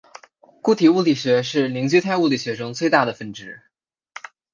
固体物理学是凝聚态物理学中最大的分支。